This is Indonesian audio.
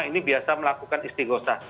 ini biasa melakukan istighfasa